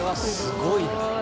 すごい。